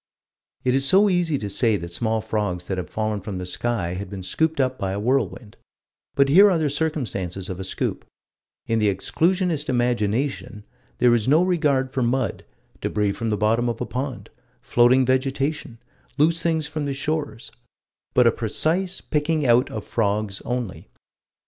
It is so easy to say that small frogs that have fallen from the sky had been scooped up by a whirlwind; but here are the circumstances of a scoop; in the exclusionist imagination there is no regard for mud, débris from the bottom of a pond, floating vegetation, loose things from the shores but a precise picking out of frogs only.